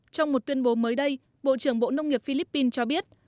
trong một tuyên bố mới đây bộ trưởng bộ nông nghiệp philippines cho biết